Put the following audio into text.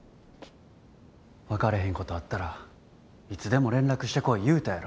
分かれへんことあったらいつでも連絡してこい言うたやろ。